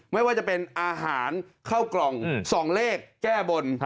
ไม่ว่าจะเป็นอาหารเข้ากล่อง๒เลขแก้บน